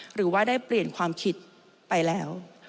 หรือว่าได้เปลี่ยนความคิดไปแล้ว